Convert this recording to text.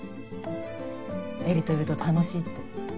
絵里といると楽しいって。